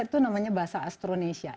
itu namanya bahasa astronisia